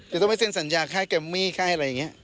จะต้องไปเซ็นสัญญาค่ายแกมมี่ค่ายอะไรอย่างนี้